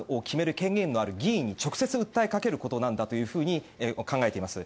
権限のある議員に直接訴えかけることなんだと考えています。